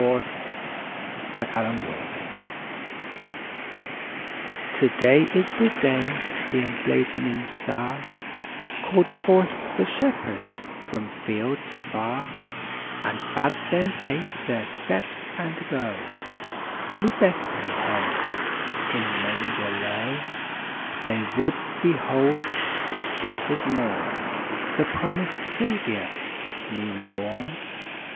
THE FULFILLED PROPHESY Today is the day the emblazoning Star Called forth the shepherds from fields afar And bade them take their steps and go To Bethlehem, in manger low They would behold, this blessed morn, The promised Saviour, newly born.